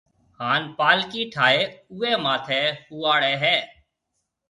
ھان پالڪِي ٺائيَ اوئيَ ماٿيَ ھواڙيَ ھيََََ